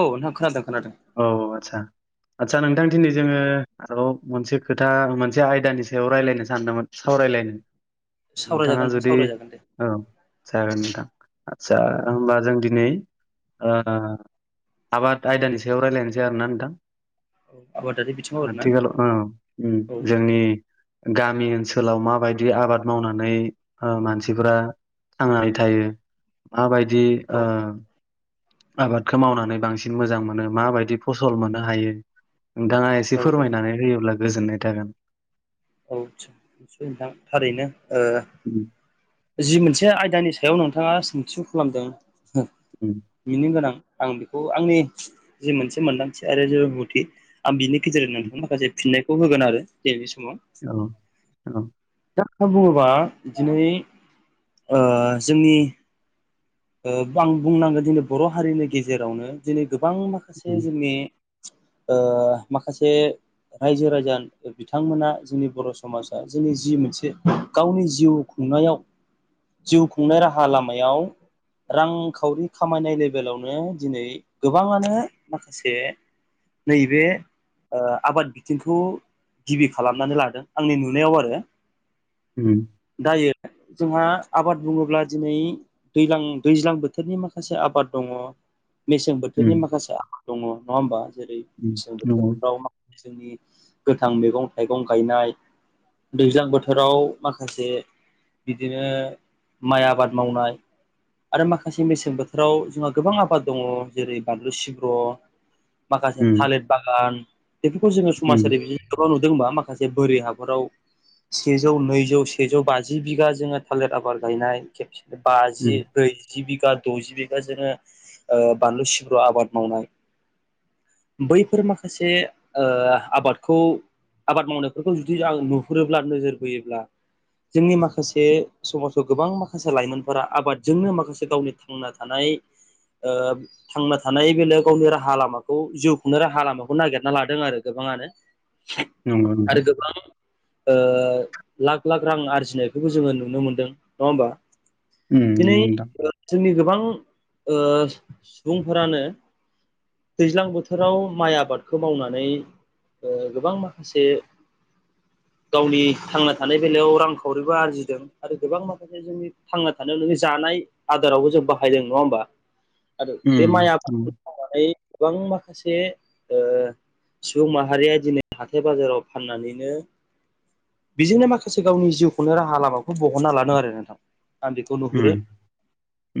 औ नोंथां खोनादों। औ आतसा आदसा नोंथां दिनै जोङो आरो मोनसे खोथा मोनसे आयदानि सायाव रायजलायनो सानदोंमोन- सावरायलायनो- नोंथाङा सावरायजागोन नोंथां जुदि सावरायजागोन दे औ जागोन नोंथां औ आदसा होमबा जों नै ओ आबाद आयदानि सायावबो रायज्लायनोसै आरोना नोंथां? औ आबादारि बिथिङाव आरोना आथिखालाव ओ ओम औ जोंनि गामि ओनसोलाव माबायदि आबाद मावनानै ओ मानसिफोरा थांनानै थायो माबायदि ओ आबादखौ मावनानै बांसिन मोजां मोनो माबायदि फसल मोननो हायो नोंथाङा एसे औ औ फोरमायनानै होयोब्ला गोजोननाय थागोन औ आसा निसय नोंथां थारैनो ओ उम जि मोनसे आयदानि सायाव नोंथाङा सोंथिु खालामदों उम मिनिं गोनां आं बेखौ आंनि जि मोनसे मोन्दांथि आरो रोंगौथि आं बिनि गेजेरजों उम होननानैथ माखासे फिननायखौ होगोन आरो जे बे समाव औ औ [inaudible] बुङोबा दिनै जोंनि ओ आं बुंनांगोन दिोंनि बर' हारिनि गेजेरावनो दिनै गोबां माखासे उम जोंनि ओ माखासे रायजो रायजा बिथांमोना जोंनि बर' समाजा जोंनि जि मोनसे गावनि जिउखौ खुंनायाव जिउ खुंनाय राहा लामायाव रांखावरि खामायनाय लेभेलावनो दिनै गोबाङानो माखासे नैबे आबाद बिथिंखौ गिबि खालामनानै लादों आंनि नुनायाव आरो ओम दायो जोंहा आबाद बुङोब्ला दिनै दैज्लां दैज्लां बोथोरनि माखासे आबाद दङ मेसें बोथोरनि उम माखासे आबाद दङ नङा होमबा? जेरै - उम मेसें नंगौ बोथोरफ्राव माखासे जोंनि गोथां मैगं थाइगं गायनाय दैज्लां बोथोराव माखासे बिदिनो माइ आबाद मावनाय। आरो माखासे मेसें बोथोराव जोंहा गोबां आबाद दङ जेरै बानलु सिब्र' माखासे उम थालिर बागान बेफोरखौ जोङो उम समाजारि बिजोंआव गोबां नुबो जोंबा माखासे बोरि हाफोराव सेजौ नैजौ सेजौ बाजि बिघा जोङो थालिर आबाद गायनाय खेबसे उम बाजि बजि बिघा द'जि बिगाजोंनो बानलु सिब्रु आबाद मावनाय बैफोर माखासे ओ आबादखौ आबाद मावनायफोरखौ जुदि आं नुहुरोब्ला नोजोर बोयोब्ला जोंनि माखासे समाजाव गोबां माखासे लाइमोनफोरा आबाद जोंनो माखासे गावनि थांना थानाय ओ थांना थानाय बेलायाव गावनि राहा लामाखौ जिउ खुंनो राहा लामाखौ नागिरना लादों आरो गोबां ङानो नंगौ आरो नोंथां गोबां ओ लाख लाख रां आरजिनायखौबो जोङो नुनो मोनदों नङा होमबा? ओम दिनै नंगौ नोंथां। जोंनि गोबां ओ सुबुंफोरानो दैज्लां बोथोराव माइ आबादखौ मावनानै ओ गोबां माखासे [inaudible] गावनि थांना थानाय बेलायाव रांखावरिबो आरजिदों आरो गोबां माखासे जोंनि थांना थानायाव नोंनि जानाय आदारावबो जों बाहायदों नङा होमबा? [inaudible] आरो बे माइ उम नंगौ आबादखौ मावनानै गोबां माखासे ओ सुबुं माहारिया दिनै हाथथाय बाजाराव फाननानैनो बेजोंनो माखासे गावनि जिउखौनो राहा लामाखौ बहनना लादों आरो नोंथां। थान्न्दैखौ उम नुहुरो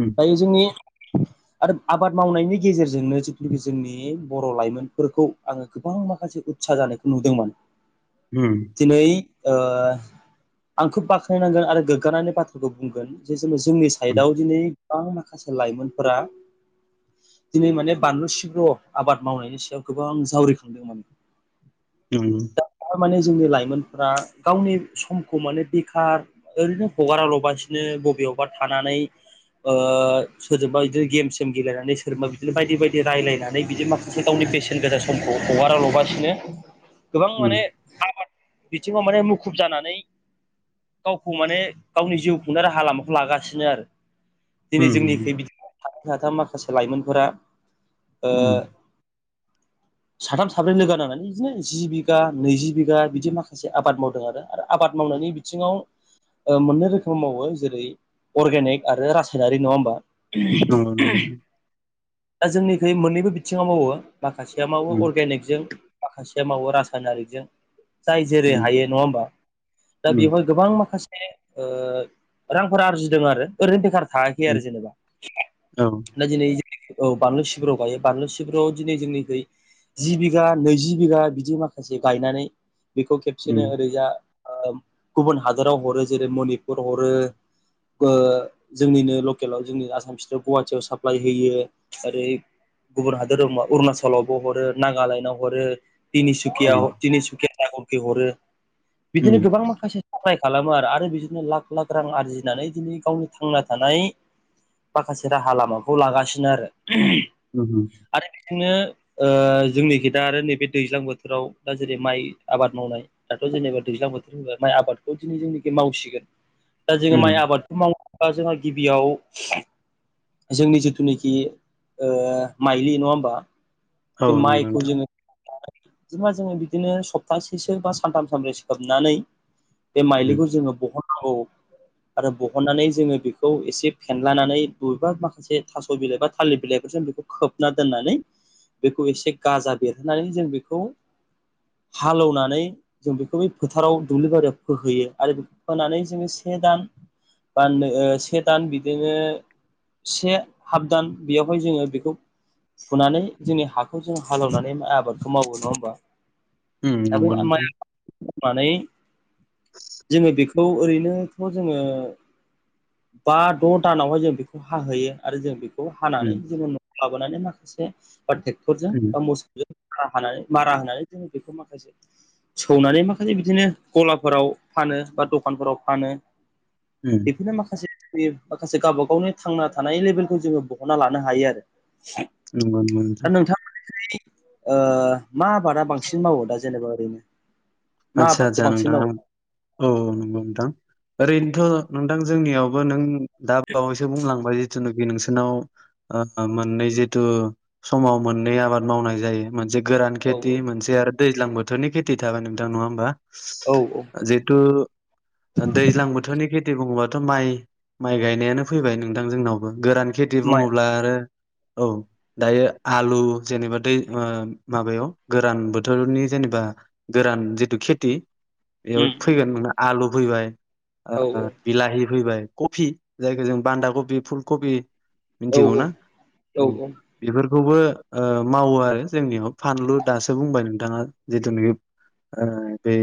उम जोंनि आरो आबाद मावनायनि गेजेरजोंनो जोंनि बर' लाइमोनफोरखौ आङो गोबां माखासे उत्सा जानायखौ नुदोंमोन उम दिनै ओ आं खोब बाखोनांगोन आरो गोग्गानानै बाथ्राखौ बुंगोन जे जोंनो जोंनि साइडआव दिनै बां माखासे लाइमोनफोरा दिनै माने बानलु सिब्र' आबाद मावनायनि सायाव गोबां जावरिखांदोंमोन उम दा माने जोंनि लाइमोनफोरा गावनि समखौ माने बेखार ओरैनो हगाराल'बासिनो बबेयावबा थानानै ओ सोरजोंबा बिदिनो गेमसेम गेलेनानै सोरबा बिदिनो बायदि बायदि रायज्लायनानै बिदि माखासे गावनि बेसेन गोजा समखौ हगाराल'गासिनो गोबां माने आबाद बिथिङाव माने मुखुब जानानै गावखौ माने गावनि जिउ खुंनाय राहा लामाखौ लागासिनो आरो । दिनै जोंनिखै बिदि सानै साथाम माखासे लाइमोनफोरा उम साथाम साब्रै लोगो नांनानै बिदिनो जि बिगा नैजि बिगा बिदि माखासे आबाद मावदों आरो आरो आबाद माव मावनायनि बिथिङाव ओ मोननै रोखोम मावो जेरै अर्गेनिक आरो रासायनारि नङा होमबा? नंगौ नंगौ नोंथां । दा जोंनिखै मोन्नैबो बिथिङाव मावो माखासेया उम मावो अर्गेनिकजों माखासेआ मावो रासायनारिजों जाय जेरै उम हायो नङा होमबा दा उम बेवहाय गोबां माखासे ओ रांफोरा आरजिदों आरो ओरैनो बेखार थाङाखै आरो जेनेबा औ उम ना दिनै औ बानलु सिब्र गायो बानलु सिब्रुआव दिनै जोंनिखै जि बिगा नैजि बिगा बिदि माखासे गायनानै बेखौ खेबसेनो ओरैजा ओ गुबुन हादोराव हरो जेरै मनिपुर हरो ओ जोंनिनो लकेलाव जोंनि आसाम फिथोर गुवाहाटियाव साप्लाय होयो । ओरै गुबुन हादोराव अरुणाचलावबो हरो नागालेण्डआव हरो । उम तिनिसुकियाव तिनिसुकिया [unintelligible] हरो बिदिनो उम गोबां माखासे खालामो आरो आरो बिदिनो लाख लाख रां आरजिनानै दिनै गावनि थांना थानाय माखासे राहा लामाखौ लागासिनो आरो । होम होम । बिनो ओ जोंनिखि दा आरो नैबे दैज्लां बोथोराव दा जेरै माइ आबाद मावनाय दाथ' जेनेबा दैज्लां बोथोर होबा माइ आबादखौ दिनै जोंनिखि मावसिगोन । दा जोंङो माइ आबादखौ मावोबा जोंहा गिबियाव जोंनि जिथुनाखि ओ माइलि नङा होमबा औ बे नंगौ माइखौ नोंथां जोङो जेनेबा जोङो बिदिनो सप्तासेसो बा सानथाम सानब्रै सो सोबनानै बे उम माइलिखौ जोङो बहनांगौ आरो बहननानै जोङो बेखौ एसे फेनलानानै बबेबा माखासे थास' बिलाइ बा थालिर बिलाइ जों बेखौ खोबना दोननानै बेखौ एसे गाजा बेरहोनानै जों बेखौ हालौनानै जों बेखौ फोथाराव दुब्लि बारियाव फोहोयो आरो बेखौ फोनानै जोङो से दान बा नो से दान बिदिनो से हाब दान बेवहाय जोङो बेखौ फुनानै जोंनि हाखौ जों हालेवनानै आबादखौ मावो नङा होमबा? उम्म नंगौ नोंथां । मानै जोङो बेखौ ओरैनोथ' जोङो बा द' दानावहाय जों बेखौ हाहोयो आरो जों बेखौ हानानै उम जोङो लाबोनानै माखासे ट्रेक्टरजों उम बा मोसौजों खाहानानै मारा होनानै जों बेखौ माखासे सौनानै माखासे बिदिनो गलाफोराव फान बा दखानफोराव फानो उम बेफोरनो माखासे माखासे गावबा गावनि थांना थानाय लेभेलखौ जोङो बहना लानो हायो आरो [unintelligible] नोंथां ओ मा आबादा बांसिन मावो दा जेनेबा ओरैनो मा आतसा आबादखौ आतसा बांसिन नोंथां मावो? आं औ औ नंगौ नोंथां ओरैनोथ नोंथां जोंनियावबो नों दा बावैसो बुंलांबाय जिथुनोखि नोंसोरनाव ओ मोननै जिथु समाव मोननै आबाद मावनाय जायो मोनसे गोरान औ खेथि मोनसे आरो दैज्लां बोथोरनि खेथि थाबाय नोंथां नङा होमबा औ औ ओ जिहेथु दैज्लां बोथोरनि खेथि बुङोबाथ माइ माइ गायनायानो फैबाय नोंथां जोंनावबो गोरान खेथि माइ बुङोब्ला आरो औ दायो आलु जेनेबा दै ओ माबायाव गोरान बोथोरनि जेनेबा गोरान जितु खेथि बेयाव उम उम फैगोन माने आलु फैबाय ओ औ बिलाहि फैबाय कफि जायखौ जों बान्दा कबि फुल कबि औ मिथिगौ ना औ बेफोर खौबो मावो आरो जोंनियाव फानलु दासो बुंबाय नोंथाङा जिथुनोखि ओ बे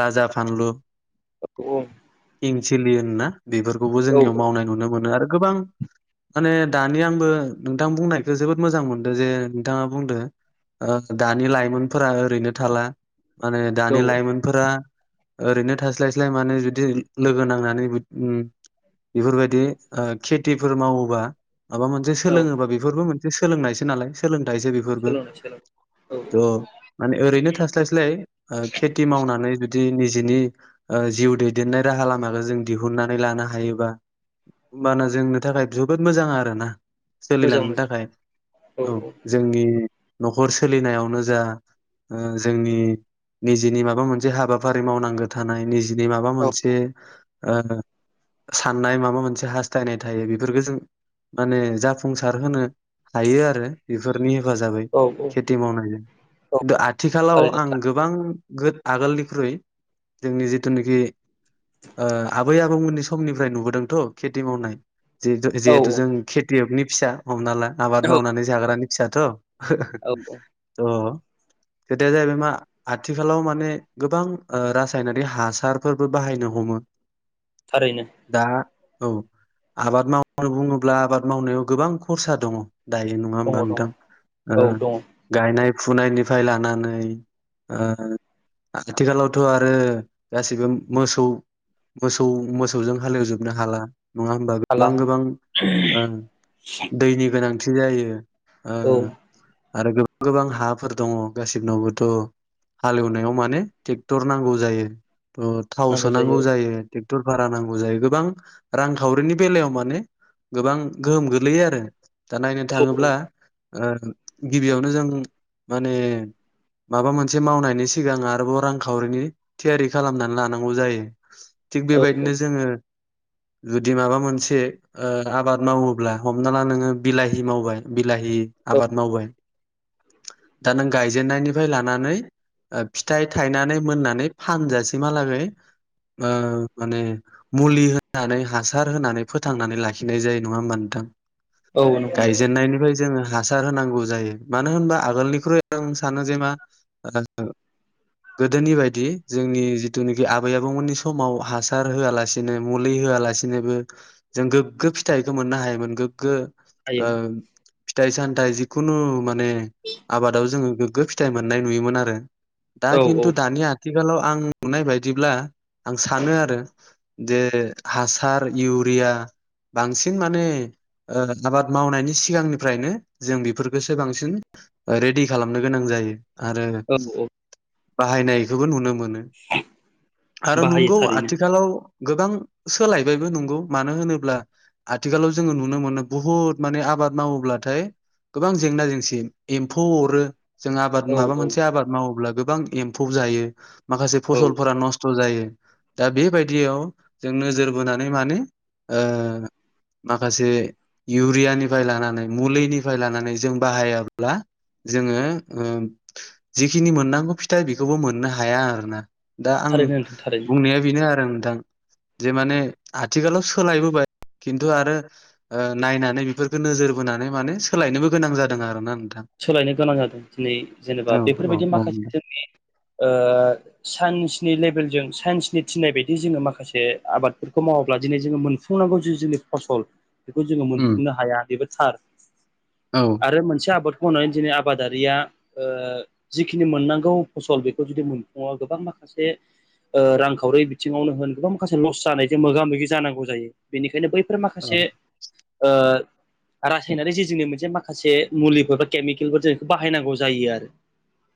राजा फानलु औ औ किं सिल्लि मोनोना बेफोरखौबो जोंनियाव मावनाय नुनो मोनो आरो गोबां माने दानि आंबो नोंथां बुंनायखो जोबोद मोजां मोनदो जे नोंथाङा बुंदों ओ दानि लाइमोनफोरा ओरैनो थाला माने औ दानि लाइमोनफोरा ओरैनो थास्लायस्लाय माने जुदि बिदि लोगो नांनानै बि ओम बेफोरबायदि ओ खेथिफोर मावोबा माबा मोनसे औ सोलोङोबा बेफोरबो मोनसे सोलोंनायसो नालाय सों थायसो बेफोरबो सोलोंनाय सोलों औ औ थह माने ओरैनो थास्लायस्लाय ओ खेथि मावनानै जुदि निजेनि ओ जिउ दैदेननाय राहा लामाआव जों दिहुननानै लानो हायोबा होमबाना जोंनो थाखाय जोबोद मोजां आरो ना मोजां सोलिलांनो मोजां थाखाय औ जोंनि न'खर सोलिनायावनो जा ओ जोंनि निजिनि माबा मोनसे हाबाफारि मावनांगो थानाय निजिनि माबा औ मोनसे ओ साननाय माबा मोनसे हास्थायनाय थायो बेफोरफोरखौ जों माने जाफुंसार होनो हायो आरो बेफोरनि हेफाजाबै औ खेथि मावनायजों औ खिन्थु आथिखालाव थारैनो आं गो बां गो आगोलनिख्रुइ जोंनि जिथुनोखि ओ आबै आबौमोननि समनिफ्राय नुबोदोंथ' खेथि मावनाय जिहेतु औ जिहेथु जों खेथियगनि फिसा हमना ला आबाद मावनानै जाग्रानि फिसाथ अ औ औ औ खोथाया जाहैबाय मा आथिखालाव माने गोबां ओ रासायनारि हासारफोरबो बाहायनो हमो थारैनो दा औ आबाद मावबाय बुङोब्ला आबाद मावनायाव गोबां खरसा दङ दायो नङा दङ होमबा दङ नोंथां ओ औ दङ गायनाय फुनायनिफ्राय लानानै ओ आथिखालावथ आरो गासिबो मोसौ मोसौ मोसौजों हालेवजोबनो हाला नङा होमबा हाला गोबां गोबां ओ दैनि गोनांथि जायो ओ औ आरो गोबां गोबां हाफोर दङ गासिबनावबोथ हालेवनायाव माने टेक्टर नांगौ जायो अ थाव नांगौ जायो सोनांगौ जायोे टेक्टर भारा नांगौ जायो गोबां रांखावरिनि बेलायाव माने गोबां गोहोम गोग्लैयो आरो दा नायनो औ औ थाङोब्ला ओम गिबियावनो जों माने माबा मोनसे मावनायनि सिगां आरोबाव रांखावरिनि थियारि खालामनानै लानांगौ जायो थिग औ बेबायदिनो जोङो जुदि माबा मोनसे आबाद मावोब्ला हमना ला नोङो बिलाहि मावबाय बिलाहि औ आबाद मावबाय दा नों गायजेननायनि फाय लानानै फिथाइ थायनानै मोननानै फानजासिम हालागै ओ माने मुलि होनानै हासार होनानै फोथांनानै लाखिनाय जायो नङा होमबा नोंथां! औ नंगौ नंगौ गायजेननायनिफ्राय जोङो हासार होनांगौ जायो मानो होनबा आगोलनिख्रुइ आं सानो जेनेबा आ [unintelligible] गोदोनि बायदि जोंनि जिथुनाखि आबै आबौमोननि समाव हासार होआलासिनो मुलि हो होआलासिनोबो जों गोग्गो फिथाइखौ मोननो हायोमोन गोग्गो ओ हायोमोन फिथाइ सामथाइ जिखुनु माने आबादाव जोङो गोग्गो फिथाइ मोननाय नुयोमोन आरो दा औ औ खिन्थु दानि आथिखालाव आं नुनाय बायदिब्ला आं सानो आरो जे हासार इउरिया बांसिन माने आबाद मावनायनि सिगांनिफ्रायनो जों बेफोरखौसो बांसिन रेडि खालामनो गोनां जायो आरो औ औ बाहायनायखौबो नुनो मोनो आरो बाहायो नंगौ थारैनो आथिखालाव गोबां सोलायबायबो नंगौ मानो होनोब्ला आथिखालाव जोङो नुनो मोनो बहुत माने आ आबाद मावोब्लाथाय गोबां जेंना जेंसि एम्फौ अरो जों आबाद औ माबा औ मोनसे आबाद मावोब्ला गोबां एम्फौ जायो माखासे औ फसलफोरा नस्थ' जायो दा बेबायदियाव जों नोजोर बोनानै माने ओ माखासे इउरियानिफ्राय लानानै मुलिनिफ्राय लानानै जों बाहायाब्ला जोङो ओ जिखिनि मोननांगौ फिथाइ बेखौबो मोननो हाया आरोना दा आं थारैनो नोंथां थारैनो बुंनाया बेनो आरो आं जे माने आथिखालाव सोलायबोबाय खिन्थु आरो नायनानै बेफोरखौ नोजोर बोनानै माने सोलायनोबो गोनां जादों आरो ना। सोलायनो गोनां जादों दिनै जेनेबा औ औ बेफोरबायदि औ माखासे जोंनि साइन्सनि लेभेलजों साइन्सनि थिनाय बायदि जोङो माखासे आबादफोरखौ मावोब्ला दिनै जोङो मोनफुंनांगौ जि जोंनि फसल बेखौ जोङो उम मोनफुंनो हाया बेबो थार औ आरो मोनसे आबाद दिनै आबादारिया जिखिनि मोननांगौ फसल बेखौ जुदि मोनफुङा गोबां माखासे सासे रांखावरि बिथिङावनो होन गोबां माखासे लस जानायजों मोगा मोगि जानांगौ जायो बेनिखायनो बै औ माखसे रायनारि जे जोंनि मोनसे माखासे मुलिफोर केमिकेलफोर जों बेखौ बाहायनांगौ जायो आरो।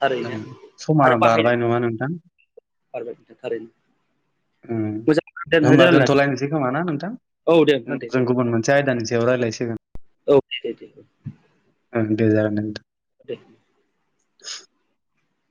थारैनो ओं समा बारबाय नङा नोंथां? औ औ थारैनो। दा मोजां दोन होनमबा रायलायनानै दोनथ'लायनोसै खोमा ना नोंथां? औ दे नोंथां दे जों औ गुबुन मोनसे आयदानि सायाव रायज्लायसिगोन औ दे दे ओं। दे जागोनदे नोंथां। [inaudible] [inaudible]